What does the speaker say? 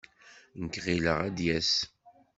Nekk ɣileɣ ad d-yas.